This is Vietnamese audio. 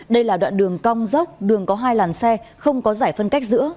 đây là đoạn đường cong dốc đường có hai làn xe không có giải phân cách giữa